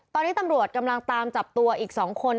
ตอนนี้ตำรวจกำลังตามจับตัวอีก๒คน